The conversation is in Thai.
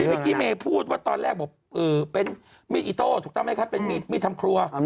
เมื่อกี้เมย์พูดว่าตอนแรกบอกเป็นมีดอิโต้ถูกต้องไหมครับเป็นมีดทำครัว